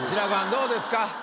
どうですか？